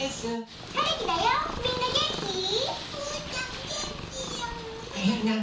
うーたんげんきよげんき。